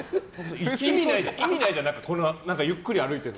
意味ないじゃん、だってゆっくり歩いてるの。